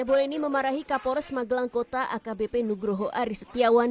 pria boleh ini memarahi kapolres magelang kota akbp nugroho aris setiawan